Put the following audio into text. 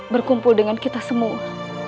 berkumpul dengan kita semua